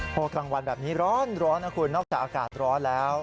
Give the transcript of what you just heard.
พอกลางวันแบบนี้ร้อนนะคุณนอกจากอากาศร้อนแล้ว